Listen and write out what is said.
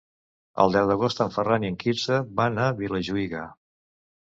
El deu d'agost en Ferran i en Quirze van a Vilajuïga.